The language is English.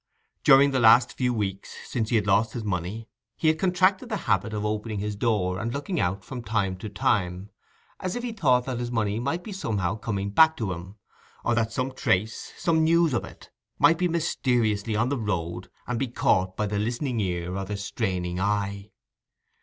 During the last few weeks, since he had lost his money, he had contracted the habit of opening his door and looking out from time to time, as if he thought that his money might be somehow coming back to him, or that some trace, some news of it, might be mysteriously on the road, and be caught by the listening ear or the straining eye.